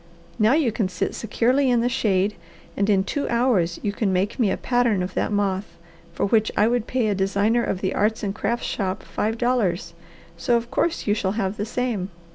Now you can sit securely in the shade, and in two hours you can make me a pattern of that moth, for which I would pay a designer of the arts and crafts shop five dollars, so of course you shall have the same."